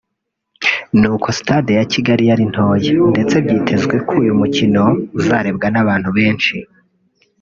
ni uko Stade ya Kigali ari ntoya ndetse byitezwe ko uyu mukino uzarebwa n’abantu benshi